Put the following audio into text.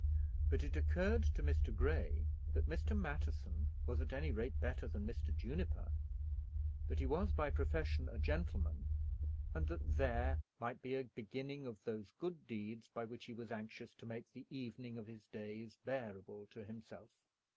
But it occurred to Mr. Grey that Mr. Matterson was at any rate better than Mr. Juniper; that he was by profession a gentleman, and that there might be a beginning of those good deeds by which he was anxious to make the evening of his days bearable to himself.